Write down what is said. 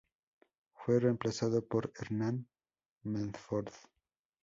Fue reemplazado por Hernán Medford.